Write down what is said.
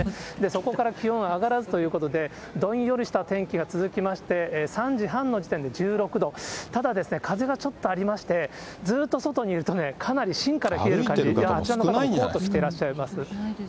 そこから気温上がらずということで、どんよりした天気が続きまして、３時半の時点で１６度、ただ風がちょっとありまして、ずっと外にいると、歩いてる方も少ないんじゃなコート着てらっしゃいます。